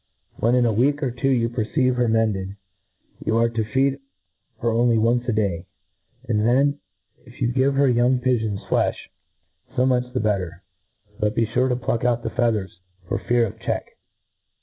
When in a week or two you perceive her mendedi yoil arc to feed her only once a day; and then, if you give her young pigeons flelh, fo much the better; but be fure to pluck, off the feathers, for fear of check.